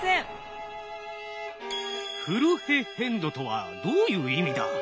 フルヘッヘンドとはどういう意味だ。